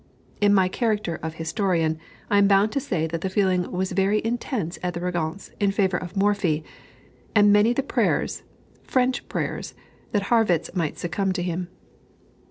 In my character of historian, I am bound to state that the feeling was very intense at the Régence in favor of Morphy, and many the prayers (French prayers) that Harrwitz might succumb to him.